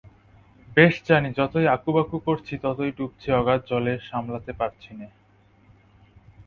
বেশ জানি যতই আঁকুবাঁকু করছি ততই ডুবছি অগাধ জলে, সামলাতে পারছি নে।